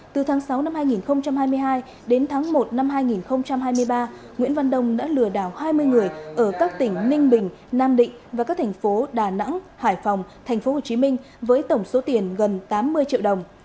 từ tháng sáu năm hai nghìn hai mươi hai đến tháng một năm hai nghìn hai mươi ba nguyễn văn đông đã lừa đảo hai mươi người ở các tỉnh ninh bình nam định và các thành phố đà nẵng hải phòng tp hcm với tổng số tiền gần tám mươi triệu đồng